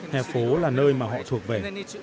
hẻ phố là nơi mà họ thuộc về